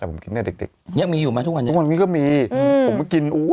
อะผมกินตัวเด็กเด็กเนี่ยมีอยู่ไหมทุกวันนี้ทุกวันนี้ก็มีอืมผมกินอู้ว